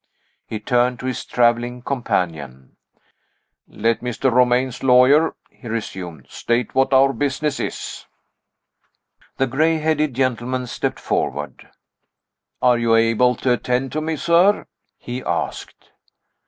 He turned to his traveling companion. "Let Mr. Romayne's lawyer," he resumed, "state what our business is." The gray headed gentleman stepped forward. "Are you able to attend to me, sir?" he asked.